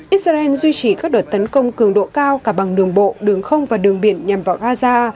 israel duy trì các đợt tấn công cường độ cao cả bằng đường bộ đường không và đường biển nhằm vào gaza